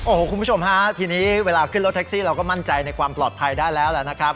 โอ้โหคุณผู้ชมฮะทีนี้เวลาขึ้นรถแท็กซี่เราก็มั่นใจในความปลอดภัยได้แล้วแหละนะครับ